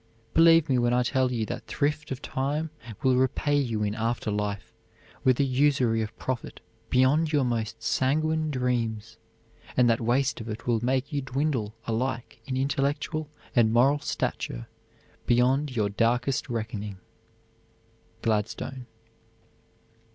Believe me when I tell you that thrift of time will repay you in after life with a usury of profit beyond your most sanguine dreams, and that waste of it will make you dwindle alike in intellectual and moral stature beyond your darkest reckoning. GLADSTONE.